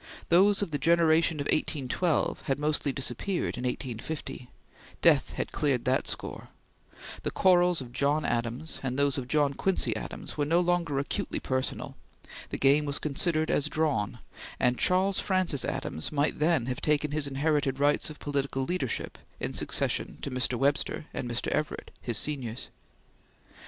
Those of the generation of 1812 had mostly disappeared in 1850; death had cleared that score; the quarrels of John Adams, and those of John Quincy Adams were no longer acutely personal; the game was considered as drawn; and Charles Francis Adams might then have taken his inherited rights of political leadership in succession to Mr. Webster and Mr. Everett, his seniors.